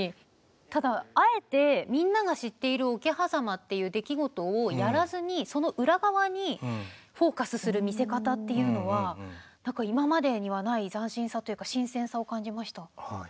ただ、あえてみんなが知っている桶狭間っていう出来事をやらずにその裏側にフォーカスする見せ方というのは今までにはない斬新さというか新鮮さを感じました。